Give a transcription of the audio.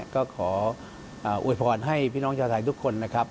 ก็ขออวยพรให้พี่น้องชาวไทยทุกคนนะครับ